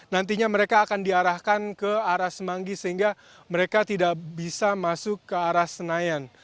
nantinya mereka akan diarahkan ke arah semanggi sehingga mereka tidak bisa masuk ke arah senayan